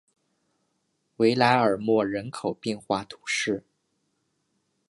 维莱莫尔人口变化图示